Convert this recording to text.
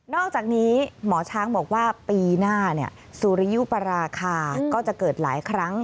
อกจากนี้หมอช้างบอกว่าปีหน้าสุริยุปราคาก็จะเกิดหลายครั้ง